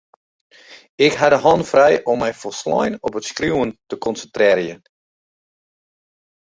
Ik ha de hannen frij om my folslein op it skriuwen te konsintrearjen.